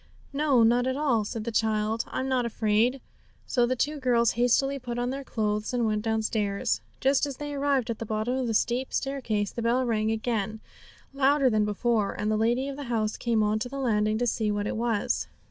'No not at all,' said the child; 'I'm not afraid.' So the two girls hastily put on their clothes and went downstairs. Just as they arrived at the bottom of the steep staircase, the bell rang again, louder than before, and the lady of the house came on the landing to see what it was.